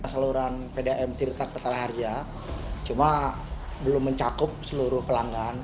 saluran pdam tirta ketara harja cuma belum mencakup seluruh pelanggan